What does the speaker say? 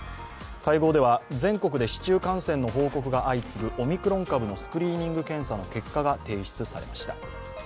会合では、全国で市中感染の報告が相次ぐオミクロン株のスクリーニング検査の検査結果が提出されました。